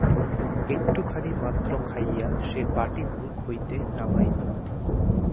একটুখানি মাত্র খাইয়া সে বাটি মুখ হইতে নামাইল।